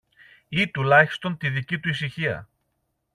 ή τουλάχιστον τη δική του ησυχία.